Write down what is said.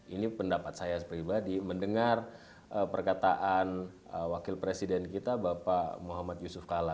ini pendapat saya pribadi mendengar perkataan wakil presiden kita bapak muhammad yusuf kala